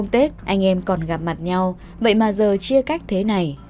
tết anh em còn gặp mặt nhau vậy mà giờ chia cách thế này